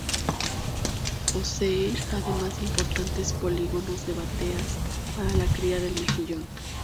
Posee además importantes polígonos de bateas para la cría del mejillón.